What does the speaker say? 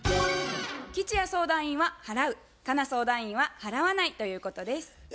吉弥相談員は「払う」佳奈相談員は「払わない」ということです。